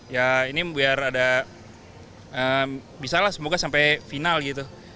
ya ini biar ada bisa lah semoga sampai final gitu